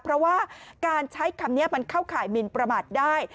เพราะว่าการใช้คำนี้มันเข้าข่ายมินประมาทได้